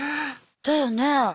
だよね。